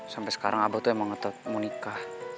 sampai sekarang abah tuh emang ketemu nika